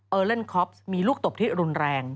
เล่นคอฟมีลูกตบที่รุนแรง